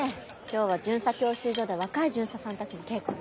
今日は巡査教習所で若い巡査さんたちに稽古をね。